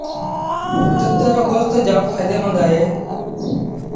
تتر رو گوست جآم ڦآئيدي مند اهي۔